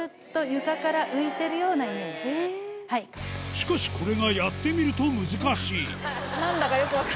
しかしこれがやってみると難しい